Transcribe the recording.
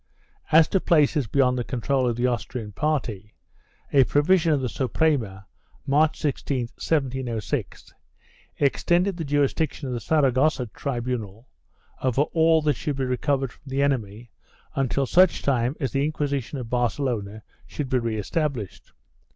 As to places beyond the control of the Austrian party, a provision of the Suprema, March 16, 1706, extended the jurisdiction of the Saragossa tribunal over all that should be recovered from the enemy until such time as the Inquisition of Barcelona should be re established.